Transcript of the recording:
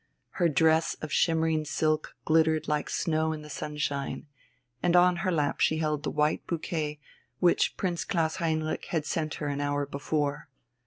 Her dress of shimmering silk glittered like snow in the sunshine, and on her lap she held the white bouquet which Prince Klaus Heinrich had sent her an hour before.